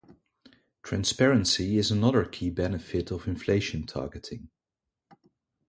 Transparency is another key benefit of inflation targeting.